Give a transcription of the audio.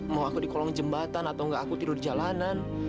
mau aku di kolong jembatan atau enggak aku tidur di jalanan